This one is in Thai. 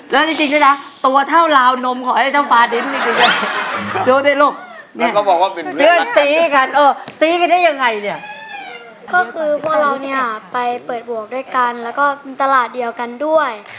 ไม่ได้กินนมแต่กินนมกล่องแล้ว